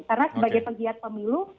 karena sebagai pegiat pemilu